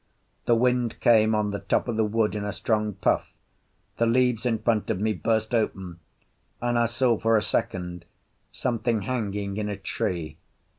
The wind came on the top of the wood in a strong puff, the leaves in front of me burst open, and I saw for a second something hanging in a tree.